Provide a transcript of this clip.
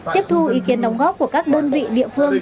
tiếp thu ý kiến đóng góp của các đơn vị địa phương